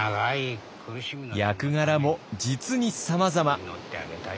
役柄も実にさまざま。